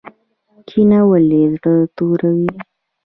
کینه ولې زړه توروي؟